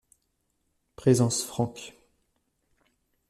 Présence franque.